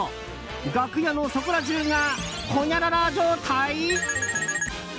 楽屋のそこら中がほにゃらら状態？